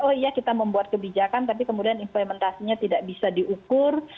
oh iya kita membuat kebijakan tapi kemudian implementasinya tidak bisa diukur